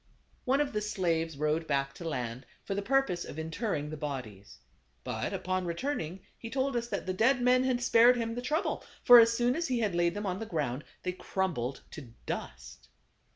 One of the slaves rowed back to land, for the purpose of interring the bodies. But upon returning he told us that the dead men had spared him the trouble ; for as soon as he had laid them on the ground, they crumbled to dust.